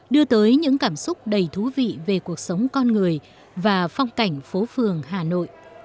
đưa tới những cảm xúc đầy thú vị về cuộc sống con người và phong cảnh phố phường hà nội